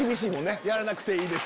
やらなくていいです。